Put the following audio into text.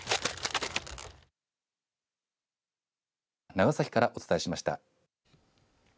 長崎からお伝えしました。